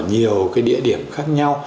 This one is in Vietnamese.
ở nhiều cái địa điểm khác nhau